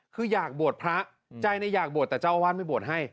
คืออยากบวชพระใจอยากบวชแต่เจ้าอาวาสไม่บวชให้